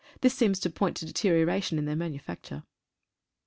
This seems to point to deterioration in their manufacture.